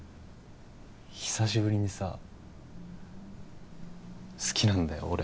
久しぶりにさ好きなんだよ